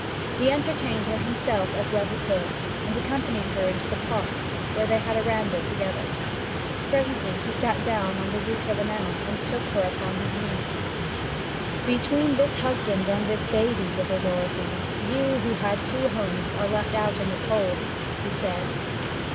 He entertained her himself as well as he could, and accompanied her into the park, where they had a ramble together. Presently he sat down on the root of an elm and took her upon his knee. 'Between this husband and this baby, little Dorothy, you who had two homes are left out in the cold,' he said.